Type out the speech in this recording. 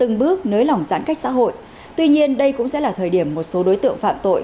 từng bước nới lỏng giãn cách xã hội tuy nhiên đây cũng sẽ là thời điểm một số đối tượng phạm tội